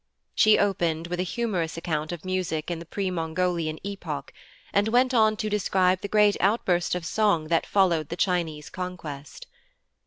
She opened with a humorous account of music in the pre Mongolian epoch, and went on to describe the great outburst of song that followed the Chinese conquest.